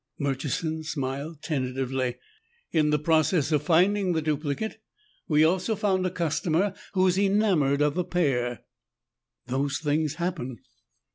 Murchison smiled tentatively. "In the process of finding the duplicate, we also found a customer who is enamoured of the pair." "Those things happen."